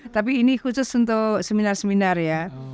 tapi ini khusus untuk seminar seminar ya